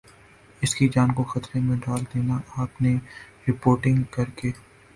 اسکی جان کو خطرے میں ڈال دیا آپ نے رپورٹنگ کر کے